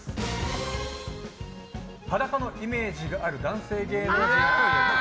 裸のイメージがある男性芸能人といえば？